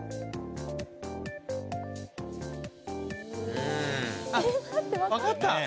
うん。あっ分かった。